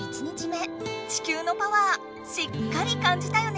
地球のパワーしっかり感じたよね！